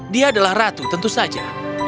dia adalah ratu tentu saja